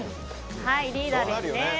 リーダーですね。